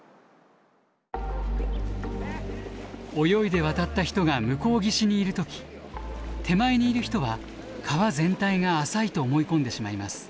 泳いで渡った人が向こう岸にいる時手前にいる人は川全体が浅いと思い込んでしまいます。